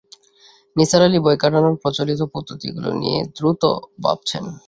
নিসার আলি ভয় কাটানোর প্রচলিত পদ্ধতিগুলি নিয়ে দ্রুত ভাবছেন।